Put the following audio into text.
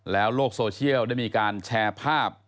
โลกโซเชียลได้มีการแชร์ภาพ